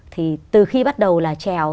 thì từ khi bắt đầu là trèo